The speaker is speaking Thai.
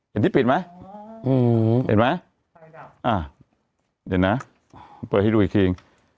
เห็นที่ปิดไหมอืมเห็นไหมอ่าเห็นไหมเปิดให้ดูอีกครีม